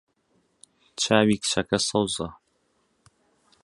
چاوی کچەکە سەوزە.